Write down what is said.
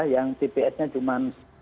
yang tps nya cuma sembilan ratus